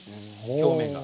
表面が。